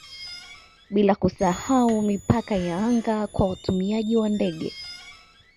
bila kusahau mipaka ya anga kwa watumiaji wa ndege